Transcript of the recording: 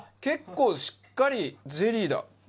結構しっかりゼリーだ。